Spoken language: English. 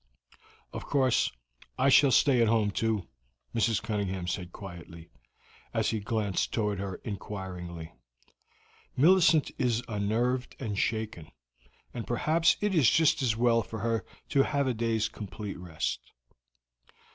"Of course, I shall stay at home too," Mrs. Cunningham said quietly, as he glanced toward her inquiringly. "Millicent is unnerved and shaken, and perhaps it is just as well for her to have a day's complete rest."